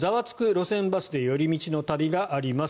路線バスで寄り道の旅」があります。